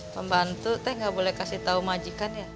pembantu teh gak boleh kasih tau majikan ya